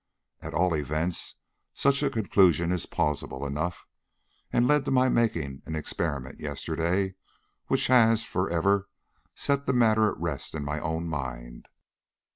At all events, such a conclusion is plausible enough, and led to my making an experiment yesterday, which has, for ever, set the matter at rest in my own mind.